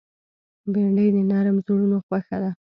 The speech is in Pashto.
بېنډۍ د نرم زړونو خوښه ده